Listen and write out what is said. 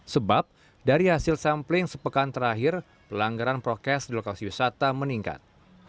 sebab dari hasil sampling sepekan terakhir pelanggaran prokes di lokasi wisata meningkat